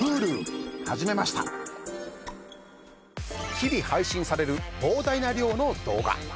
日々配信される膨大な量の動画。